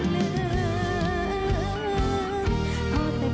ที่ห่าวป่อสาวหลื่น